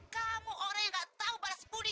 kamu orang yang gak tahu balas budi